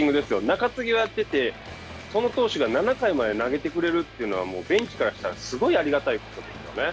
中継ぎをやっててその投手が７回まで投げてくれるというのはもうベンチからしたらすごいありがたいことですよね。